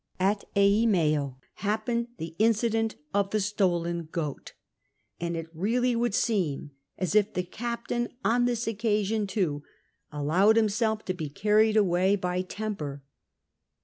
At Eimeo happened the incident of the stolen goat. And it really Avould seem as if the captain on this occasion, too, alloAved himself to be carried away by 126 CAPTAm COOK CHAP. temper.